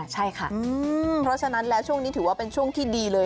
ใช่ค่ะเพราะฉะนั้นแล้วช่วงนี้ถือว่าเป็นช่วงที่ดีเลย